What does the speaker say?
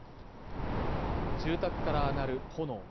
住宅から上がる炎。